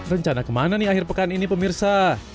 rencana kemana nih akhir pekan ini pemirsa